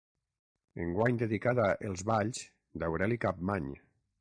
Enguany dedicat a Els balls d'Aureli Capmany.